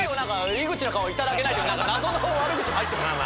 「井口の顔いただけない」って謎の悪口も入ってますよ。